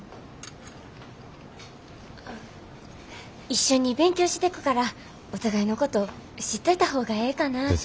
一緒に勉強してくからお互いのこと知っといた方がええかなって。